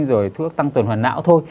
rồi thuốc tăng tuần hoàn não thôi